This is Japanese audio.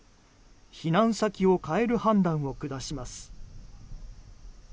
避難先を変える判断を下します。